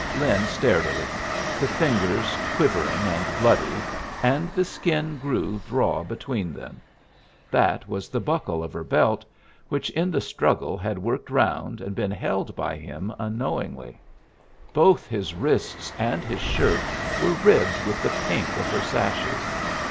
Lin stared at it the fingers quivering and bloody, and the skin grooved raw between them. That was the buckle of her belt, which in the struggle had worked round and been held by him unknowingly. Both his wrists and his shirt were ribbed with the pink of her sashes.